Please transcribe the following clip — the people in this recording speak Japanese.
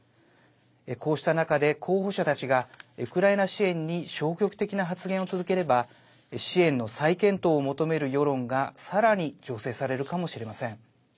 こうした中で、候補者たちがウクライナ支援に消極的な発言を続ければ支援の再検討を求める世論がさらに醸成されるかもしれません。